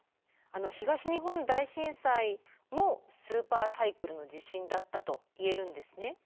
東日本大震災もスーパーサイクルの地震だったと言えるんですね？